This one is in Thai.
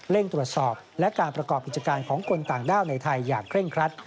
ตรวจสอบและการประกอบกิจการของคนต่างด้าวในไทยอย่างเคร่งครัด